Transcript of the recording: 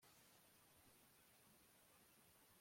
sinzi niba nshaka kubikora